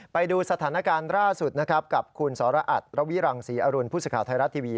ไปดูสถานการณ์ล่าสุดกับคุณซอลอัตรวีรังสีอรุณพุทธศาสตร์ไทยรัฐทีวี